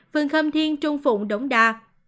phường khâm thiên trung phụng đống đa